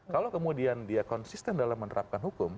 kalau kemudian dia konsisten dalam menerapkan hukum